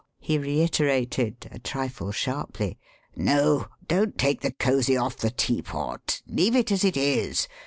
he reiterated, a trifle sharply. "No, don't take the cosy off the teapot leave it as it is.